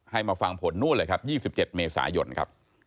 มาฟังผลนู่นเลยครับ๒๗เมษายนครับ